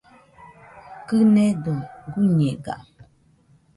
Kɨnedo guiñega